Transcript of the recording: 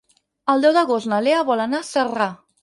El deu d'agost na Lea vol anar a Celrà.